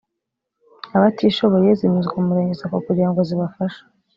abatishoboye zinyuzwa mu murenge sacco kugira ngo zibafashe